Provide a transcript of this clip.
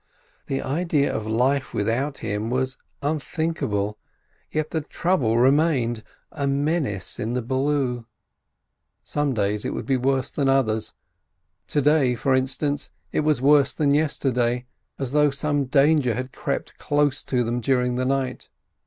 The idea of life without him was unthinkable, yet the trouble remained, a menace in the blue. Some days it would be worse than others. To day, for instance, it was worse than yesterday, as though some danger had crept close to them during the night.